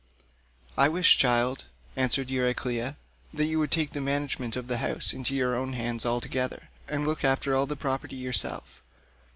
"I wish, child," answered Euryclea, "that you would take the management of the house into your own hands altogether, and look after all the property yourself.